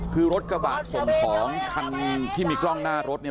คือรถกระบะส่งของคันที่มีกล้องหน้ารถเนี่ย